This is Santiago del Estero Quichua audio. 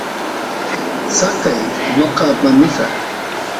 saqey noqa apamusaq